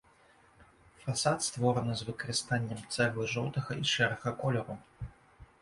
Фасад створаны з выкарыстаннем цэглы жоўтага і шэрага колеру.